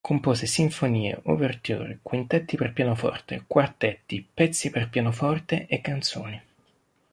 Compose sinfonie, ouverture, quintetti per pianoforte, quartetti, pezzi per pianoforte e canzoni.